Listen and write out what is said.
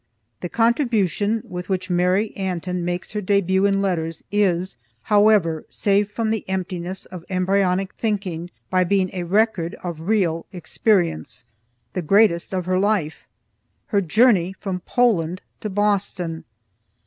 The contribution with which Mary Antin makes her début in letters is, however, saved from the emptiness of embryonic thinking by being a record of a real experience, the greatest of her life; her journey from Poland to Boston.